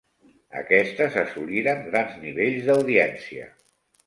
Aquestes assoliren grans nivells d'audiència.